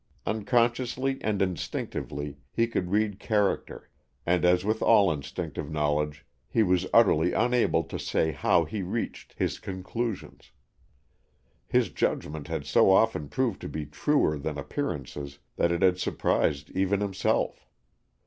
Unconsciously and instinctively, he could read character, and as with all instinctive knowledge, he was utterly unable to say how he reached his conclusions. His judgment had so often proved to be truer than appearances that it had surprised even himself.